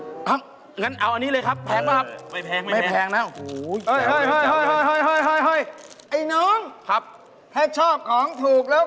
ข้ะอย่างงั้นเอาอันนี้เลยครับแพ้ป่ะครับ